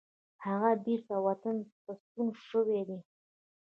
هغه بیرته وطن ته ستون شوی دی.